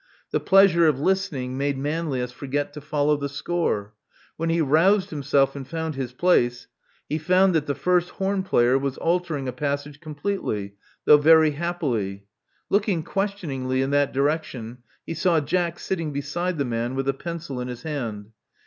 The pleasure of listening made Manlius forget to follow the score. When he roused himself and found his place, he perceived that the first horn player was altering a passage completely, though very happily. Looking questioningly in that direction, he saw Jack sitting beside the man with a pencil in his hand.